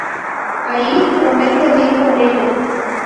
Allí promete huir con ella.